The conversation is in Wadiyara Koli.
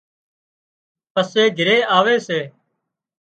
پسي گھري آوي سي